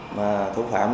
mà thủ phạm